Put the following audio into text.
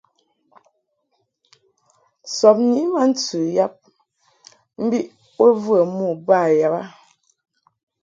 Sɔbni ma ntɨ yab mbiʼ bo və mo yab a.